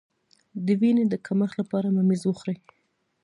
د وینې د کمښت لپاره ممیز وخورئ